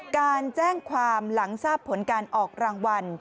การแจ้งความหลังทราบผลการออกรางวัล